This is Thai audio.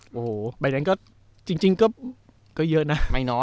โอ้โหใบแดงก็จริงก็เยอะนะ